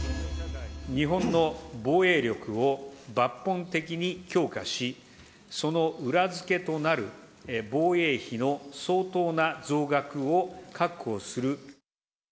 日本の防衛力を抜本的に強化し、その裏付けとなる防衛費の相当な増額を確保する。